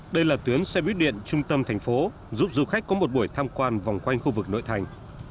đây là tuyến xe buýt điện trung tâm thành phố giúp du khách có một buổi tham quan vòng quanh khu vực nội thành